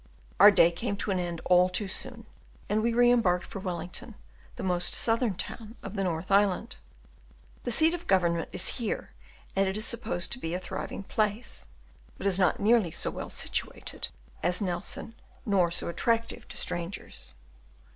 Our day came to an end all too soon, and we re embarked for Wellington, the most southern town of the North Island. The seat of government is there, and it is supposed to be a very thriving place, but is not nearly so well situated as Nelson nor so attractive to strangers.